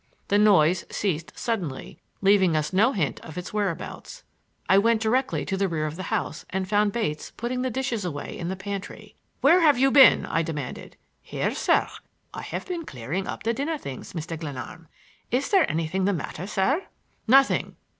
The noise ceased suddenly, leaving us with no hint of its whereabouts. I went directly to the rear of the house and found Bates putting the dishes away in the pantry. "Where have you been?" I demanded. "Here, sir; I have been clearing up the dinner things, Mr. Glenarm. Is there anything the matter, sir?" "Nothing."